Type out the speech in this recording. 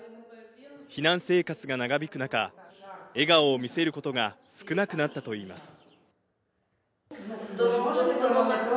避難生活が長引く中、笑顔を見せることが少なくなったといいます。